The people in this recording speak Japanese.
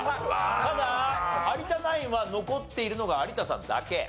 ただ有田ナインは残っているのが有田さんだけ。